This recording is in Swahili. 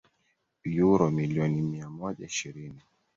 uro milioni mia moja ishirini